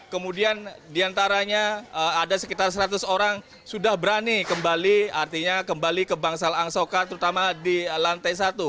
kemudian diantaranya ada sekitar seratus orang sudah berani kembali artinya kembali ke bangsal angsoka terutama di lantai satu